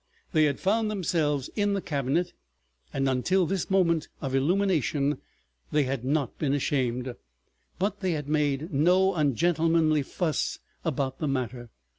They had found themselves in the cabinet, and until this moment of illumination they had not been ashamed; but they had made no ungentlemanly fuss about the matter.